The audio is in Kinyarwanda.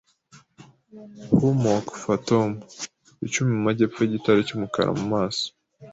hummock, fathom icumi mumajyepfo yigitare cyumukara mumaso.